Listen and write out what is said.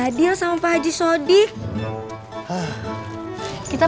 yang depan apa yang belakang